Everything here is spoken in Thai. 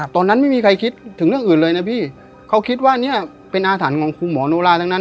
ตอนนั้นไม่มีใครคิดถึงเรื่องอื่นเลยนะพี่เขาคิดว่าเนี่ยเป็นอาถรรพ์ของครูหมอโนราทั้งนั้น